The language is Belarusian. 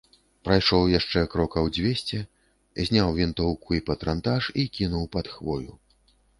Прайшоў яшчэ крокаў дзвесце, зняў вінтоўку і патранташ і кінуў пад хвою.